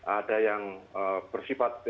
ada yang bersifat